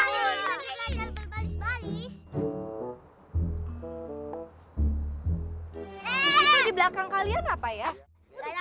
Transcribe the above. itu di belakang kalian apa ya